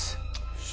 よし